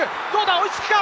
追い付くか？